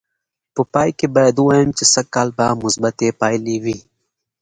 په پای کې باید ووایم چې سږ کال به مثبتې پایلې وې.